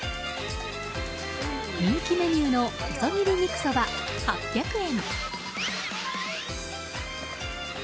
人気メニューの細切り肉そば、８００円。